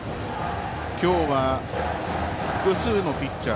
今日は複数のピッチャー